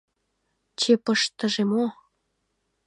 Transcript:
Чепыштыже мо?